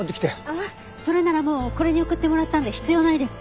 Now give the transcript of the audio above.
あっそれならもうこれに送ってもらったんで必要ないです。